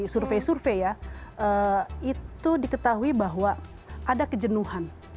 survei survei ya itu diketahui bahwa ada kejenuhan